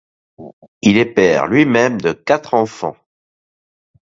Il est père lui-même de quatre enfants.